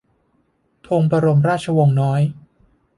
ธงบรมราชวงศ์น้อย